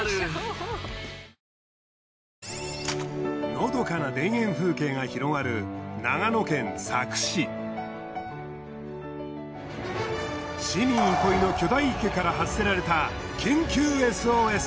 のどかな田園風景が広がる市民憩いの巨大池から発せられた緊急ＳＯＳ。